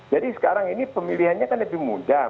jadi sekarang ini pemilihannya kan lebih mudah